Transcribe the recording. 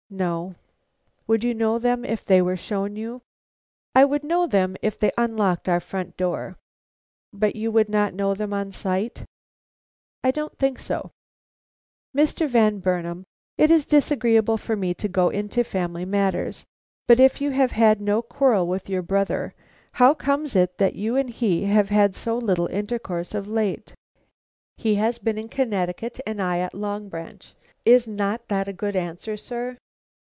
"No." "Would you know them if they were shown you?" "I would know them if they unlocked our front door." "But you would not know them on sight?" "I don't think so." "Mr. Van Burnam, it is disagreeable for me to go into family matters, but if you have had no quarrel with your brother, how comes it that you and he have had so little intercourse of late?" "He has been in Connecticut and I at Long Branch. Is not that a good answer, sir?"